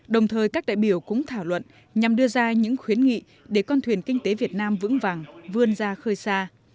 đồng thời các đại biểu cũng thảo luận nhằm đưa ra những khuyến nghị để con thuyền kinh tế việt nam vững vàng vươn ra khơi xa